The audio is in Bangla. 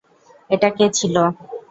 এটা কে ছিল?